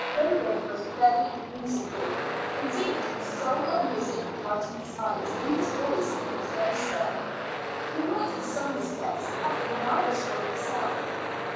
David was very musical; indeed, the soul of music dwelt in his eyes, in his voice, in his very step. He might in some respects have been an Irish boy himself.